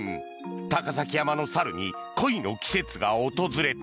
高崎山の猿に恋の季節が訪れた。